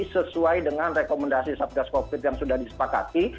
sesuai dengan rekomendasi satgas covid yang sudah disepakati